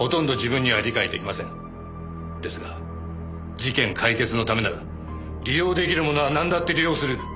ですが事件解決のためなら利用出来るものはなんだって利用する。